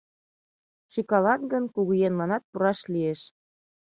Шӱкалат гын, кугыеҥланат пураш лиеш.